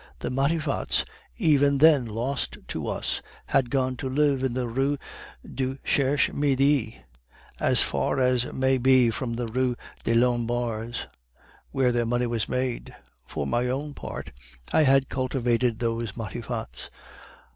The Matifats, even then lost to us, had gone to live in the Rue du Cherche Midi, as far as may be from the Rue des Lombards, where their money was made. For my own part, I had cultivated those Matifats.